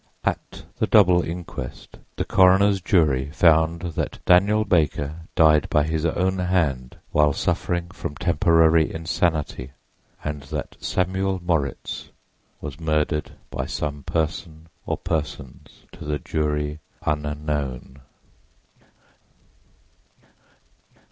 At the double inquest the coroner's jury found that Daniel Baker died by his own hand while suffering from temporary insanity, and that Samuel Morritz was murdered by some person or persons to the jury unknown.